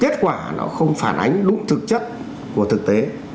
kết quả nó không phản ánh đúng thực chất của thực tế